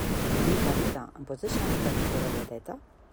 Rita, Rita, em pots deixar un petricó de lleteta?